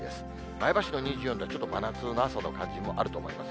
前橋の２４度はちょっと真夏の朝の感じもあると思います。